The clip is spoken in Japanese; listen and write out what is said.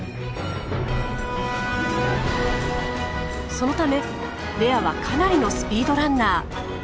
そのためレアはかなりのスピードランナー。